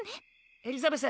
エリザベス。